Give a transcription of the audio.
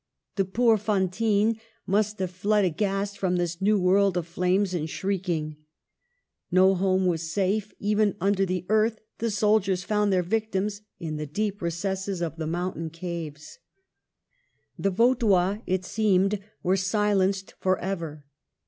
The poor Fantines must have fled aghast from this new world of flames and shrieking. No home was safe ; even under the earth the soldiers found their victims, in the deep recesses of the mountain caves. 270 MARGARET OF ANGOUL^ME. The Vaudois, it seemed, were silenced for ever.